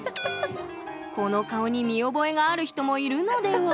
この顔に見覚えがある人もいるのでは？